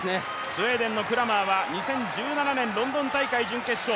スウェーデンのクラマーは２０１７年ロンドン大会準決勝。